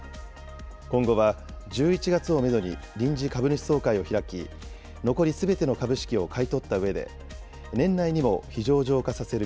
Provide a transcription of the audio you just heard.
今後は１１月をメドに臨時株主総会を開き、残りすべての株式を買い取ったうえで、年内にも非上場化させる